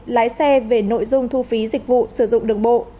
lái xe về nội dung thu phí dịch vụ sử dụng đường bộ